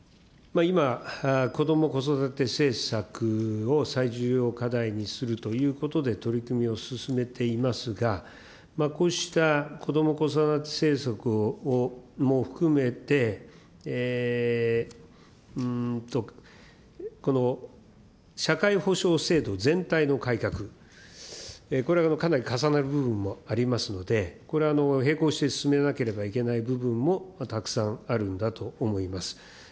今、こども・子育て政策を最重要課題にするということで取り組みを進めていますが、こうしたこども・子育て政策も含めて、社会保障制度全体の改革、これがかなり重なる部分もありますので、これは並行して進めなければいけない部分もたくさんあるんだと思います。